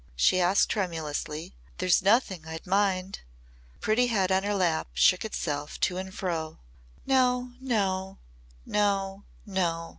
she asked tremulously. "There's nothing I'd mind." The pretty head on her lap shook itself to and fro. "No! No! No! No!"